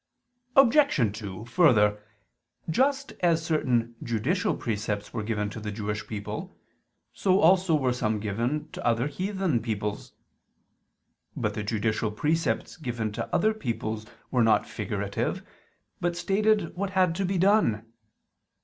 Obj. 2: Further, just as certain judicial precepts were given to the Jewish people, so also were some given to other heathen peoples. But the judicial precepts given to other peoples were not figurative, but stated what had to be done.